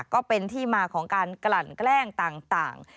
ก็เป็นที่มาของการกลั่นแกล้งต่าง